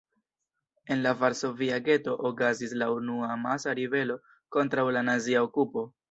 En la varsovia geto okazis la unua amasa ribelo kontraŭ la nazia okupo.